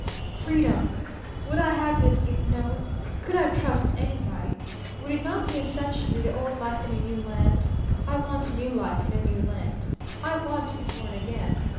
"Freedom! Would I have it if known? Could I trust anybody? Would it not be essentially the old life in a new land? I want a new life in a new land. I want to be born again.